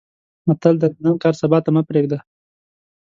متل دی: د نن کار سبا ته مې پرېږده.